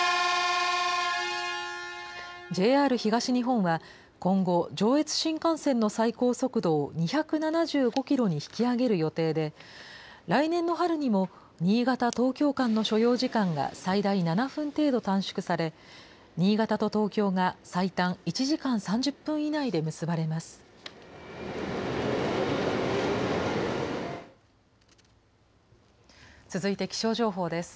ＪＲ東日本は、今後、上越新幹線の最高速度を２７５キロに引き上げる予定で、来年の春にも新潟・東京間の所要時間が最大７分程度短縮され、新潟と東京が最短１時間３０分以内で結ばれます。